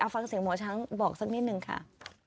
ฟังเสียงหมอช้างบอกสักนิดนึงค่ะ